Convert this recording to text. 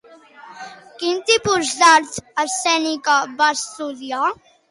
Quin tipus d'art escènica va estudiar?